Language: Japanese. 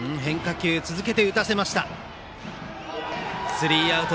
スリーアウト。